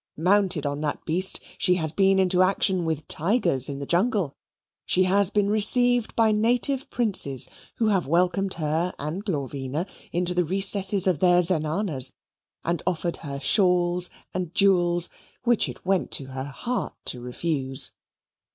Mounted on that beast, she has been into action with tigers in the jungle, she has been received by native princes, who have welcomed her and Glorvina into the recesses of their zenanas and offered her shawls and jewels which it went to her heart to refuse.